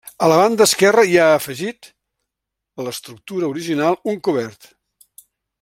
A la banda esquerra hi ha afegit a l'estructura original un cobert.